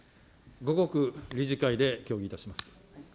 後刻理事会で協議いたします。